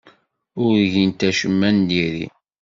Ur gint acemma n diri.